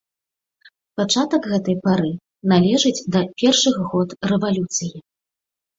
Пачатак гэтай пары належыць да першых год рэвалюцыі.